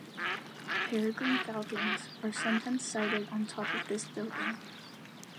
Peregrine falcons are sometimes sighted on the top of this building.